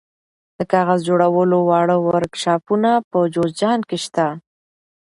د کاغذ جوړولو واړه ورکشاپونه په جوزجان کې شته.